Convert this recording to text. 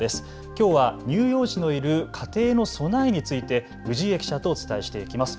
きょうは乳幼児のいる家庭の備えについて氏家記者とお伝えしていきます。